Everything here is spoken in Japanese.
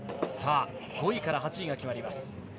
５位から８位が決まります。